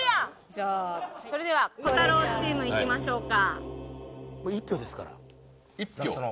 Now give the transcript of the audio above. じゃあそれではコタローチームいきましょうか。